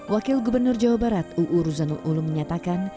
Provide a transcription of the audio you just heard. wakil gubernur jawa barat uu ruzanul ulum menyatakan